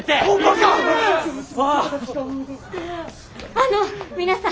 あの皆さん。